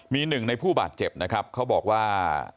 มีหนึ่งในผู้บาดเจ็บนะครับเขาบอกว่า